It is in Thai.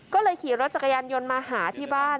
ก็เลยขี่รถจักรยานยนต์มาหาที่บ้าน